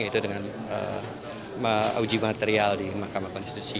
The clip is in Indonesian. yaitu dengan uji material di mahkamah konstitusi